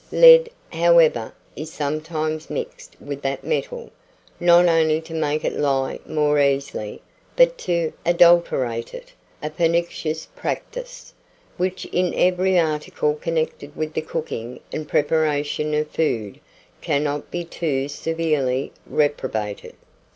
Lead, however, is sometimes mixed with that metal, not only to make it lie more easily, but to adulterate it a pernicious practice, which in every article connected with the cooking and preparation of food, cannot be too severely reprobated.